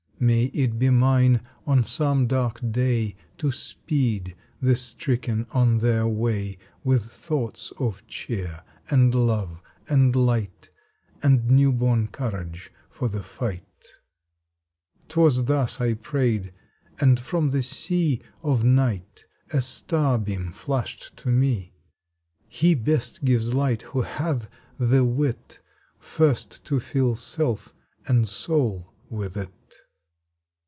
May it be mine on some dark day To speed the stricken on their way With thoughts of cheer, and love, and light, And new born courage for the fight." Twas thus I prayed, and from the sea Of night a star beam flashed to me "He best gives light who hath the wit First to fill self and soul with it."